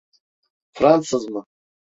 Fransız mı?